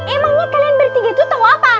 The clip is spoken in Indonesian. emangnya kalian bertiga tuh tau apa